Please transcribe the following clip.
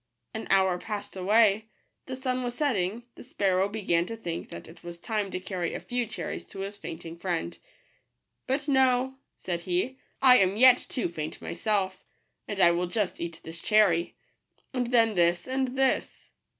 An hour passed away ; the sun was setting : the sparrow began to think that it was time to carry a few cherries to his faint ing friend. " But no," said he, " I am yet too faint myself. I will just eat this cherry, — and then this, and this."